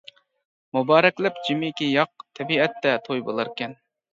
مۇبارەكلەپ جىمىكى ياق، تەبىئەتتە توي بولاركەن.